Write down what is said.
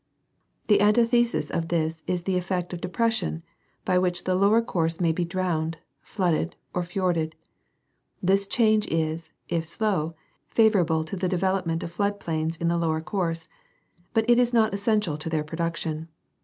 The antithesis of this is the effect of depression, by which the lower course may be drowned, flooded or f jorded. This change is, if slow, favorable to the. development of flood plains in the lower course ; but it is not essential to their production.